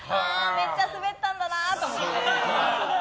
めっちゃスベったんだなと思って。